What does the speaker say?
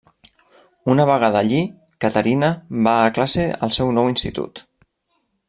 Una vegada allí, Caterina va a classe al seu nou institut.